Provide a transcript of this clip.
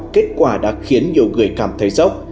kết quả đã khiến nhiều người cảm thấy sốc